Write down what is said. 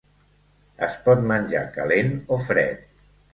Es pot menjar calent o fred.